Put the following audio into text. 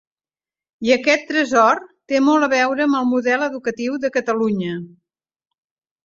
I aquest tresor té molt a veure amb el model educatiu de Catalunya.